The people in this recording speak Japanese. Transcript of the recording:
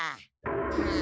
うん。